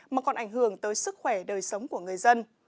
mà còn ảnh hưởng tới sức khỏe đời sống của người dân